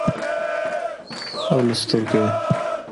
او له سترګو یې